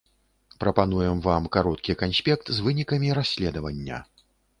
Прапануем вам кароткі канспект з вынікамі расследавання.